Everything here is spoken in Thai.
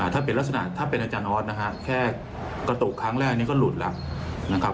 ถ้าเป็นลักษณะถ้าเป็นอาจารย์ออสนะฮะแค่กระตุกครั้งแรกนี้ก็หลุดแล้วนะครับ